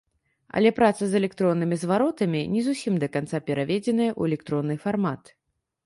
Але праца з электроннымі зваротамі не зусім да канца пераведзеная ў электронны фармат.